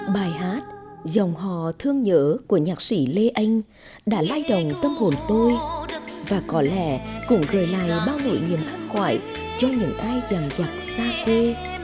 bài hát dòng hò thương nhớ của nhạc sĩ lê anh đã lai đồng tâm hồn tôi và có lẽ cũng gửi lại bao nỗi niềm an khoại cho những ai dằm dặt xa quê